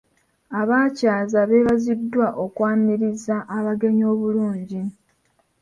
Abaakyaza beebaziddwa okwaniriza abagenyi obulungi.